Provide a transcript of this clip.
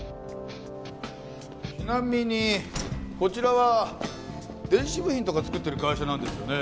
ちなみにこちらは電子部品とか作ってる会社なんですよね？